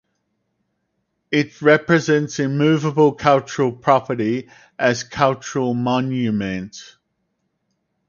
It represents immovable cultural property as cultural monument.